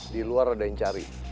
di luar ada yang cari